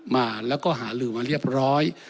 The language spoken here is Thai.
มาแล้วก็หาลือมาเรียบร้อย